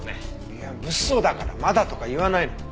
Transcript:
いや物騒だから「まだ」とか言わないの。